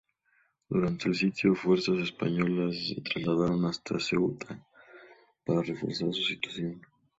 Durante el sitio fuerzas españolas se trasladaron hasta Ceuta para reforzar su situación.